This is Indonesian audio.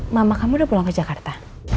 mama kamu udah pulang ke jakarta